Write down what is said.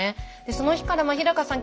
その日から日さん